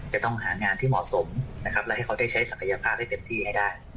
จะต้องหางานที่เหมาะสมนะครับและให้เขาได้ใช้ศักยภาพให้เต็มที่ให้ได้